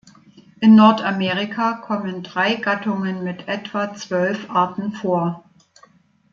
In Nordamerika kommen drei Gattungen mit etwa zwölf Arten vor.